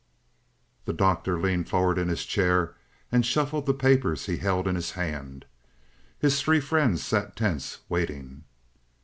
The Doctor leaned forward in his chair and shuffled the papers he held in his hand. His three friends sat tense, waiting.